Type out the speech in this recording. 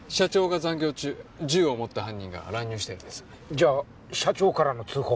じゃあ社長からの通報？